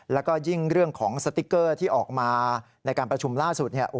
แล้วก็ยิ่งเรื่องของสติ๊กเกอร์ที่ออกมาในการประชุมล่าสุด